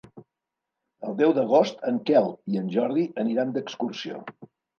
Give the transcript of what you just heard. El deu d'agost en Quel i en Jordi aniran d'excursió.